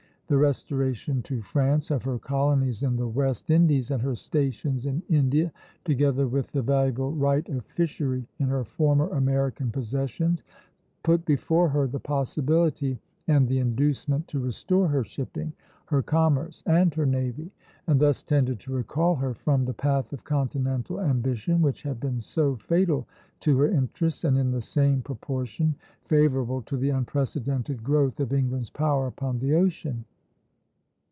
The restoration to France of her colonies in the West Indies and her stations in India, together with the valuable right of fishery in her former American possessions, put before her the possibility and the inducement to restore her shipping, her commerce, and her navy, and thus tended to recall her from the path of continental ambition which had been so fatal to her interests, and in the same proportion favorable to the unprecedented growth of England's power upon the ocean.